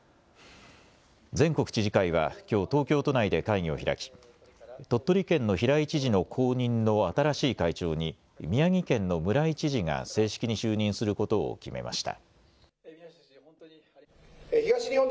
全国知事会はきょう東京都内で会議を開き鳥取県の平井知事の後任の新しい会長に宮城県の村井知事が正式に就任することを決めました。